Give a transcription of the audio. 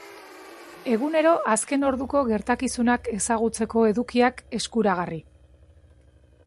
Egunero azken orduko gertakizunak ezagutzeko edukiak eskuragarri.